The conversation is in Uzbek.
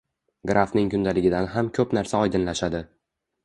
Grafning kundaligidan ham ko‘p narsa oydinlashadi.